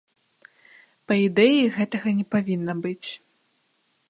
Па ідэі, гэтага не павінна быць.